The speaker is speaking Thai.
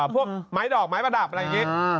พวกไม้ดอกไม้ประดับอะไรอย่างนี้